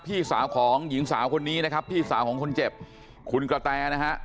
พี่สาวของหญิงสาวคนนี้นะครับพี่สาวของคนเจ็บคุณกระแตนะฮะ